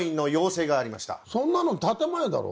そんなの建前だろ。